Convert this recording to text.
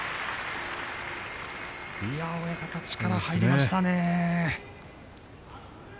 力が入りましたね。